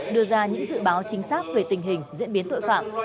đưa ra những dự báo chính xác về tình hình diễn biến tội phạm